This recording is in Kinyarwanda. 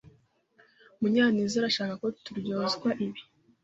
Munyanez arashaka ko duryozwa ibi.